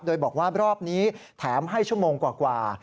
โดยบอกว่ารอบนี้แถมให้ชั่วโมงกว่า